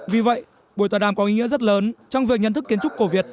vì vậy buổi tòa đàm có ý nghĩa rất lớn trong việc nhận thức kiến trúc cổ việt